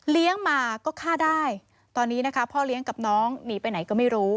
มาก็ฆ่าได้ตอนนี้นะคะพ่อเลี้ยงกับน้องหนีไปไหนก็ไม่รู้